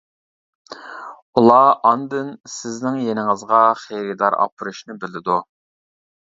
ئۇلار ئاندىن سىزنىڭ يېنىڭىزغا خېرىدار ئاپىرىشنى بىلىدۇ.